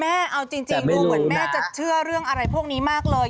เอาจริงดูเหมือนแม่จะเชื่อเรื่องอะไรพวกนี้มากเลย